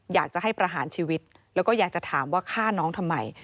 อยากจะให้ประหารชีวิตแล้วก็อยากจะถามว่าฆ่าน้องทำไม